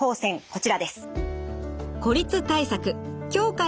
こちらです。